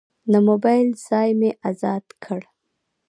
د موبایل ځای مې ازاد کړ.